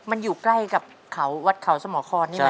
มันอยู่ใกล้กับเขาวัดเขาสมครนี่ไหม